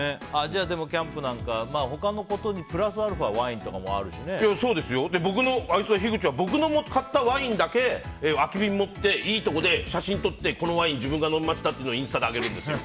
キャンプなんかも他のことにプラスアルファあいつは僕の買ったワインだけ空き瓶持っていいところで写真を撮ってこのワイン自分が飲みましたってインスタで上げるんですよ。